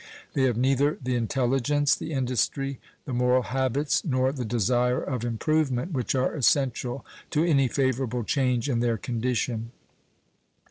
They have neither the intelligence, the industry, the moral habits, nor the desire of improvement which are essential to any favorable change in their condition.